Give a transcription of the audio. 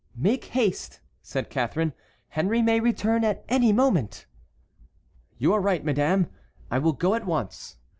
"Make haste," said Catharine; "Henry may return at any moment." "You are right, madame. I will go at once."